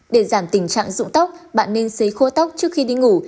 để giảm tình trạng dụng tóc bạn nên xấy khô tóc trước khi đi ngủ